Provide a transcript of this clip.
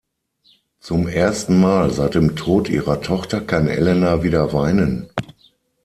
Zum ersten Mal seit dem Tod ihrer Tochter kann Elena wieder weinen.